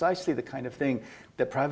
itu hal yang diinginkan